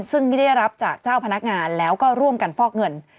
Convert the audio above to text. ซึ่งไม่ได้รับจากเจ้าพนักงานแล้วก็ร่วมกันฟอกเงิน